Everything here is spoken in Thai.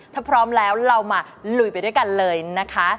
ถ้าพร้อมแล้วเรามาลุยไปด้วยกันเลยนะคะ